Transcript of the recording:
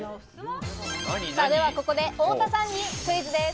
では、ここで太田さんにクイズです。